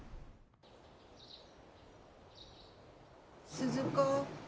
・鈴子。